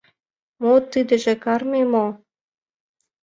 — Мо тидыже, карме мо?